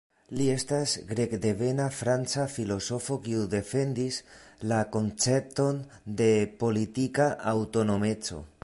Li estas grekdevena franca filozofo kiu defendis la koncepton de "politika aŭtonomeco".